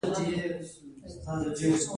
هغه غوښتل د اورېدو جوګه شي خو ګټه يې نه وه.